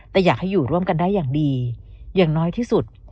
แต่อยากให้อยู่ร่วมกันได้อย่างดีอย่างน้อยที่สุด